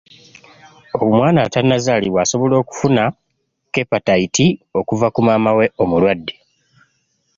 Omwana atanazaalibwa asobola okufuna kepatayiti okuva ku maama we omulwadde.